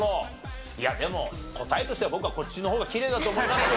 いやでも答えとしては僕はこっちの方がきれいだと思いますよ。